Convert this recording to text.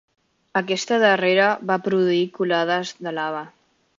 Aquesta darrera va produir colades de lava.